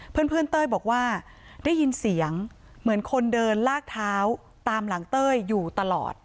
เพื่อนเต้ยบอกว่าได้ยินเสียงเหมือนคนเดินลากเท้าตามหลังเต้ยอยู่ตลอด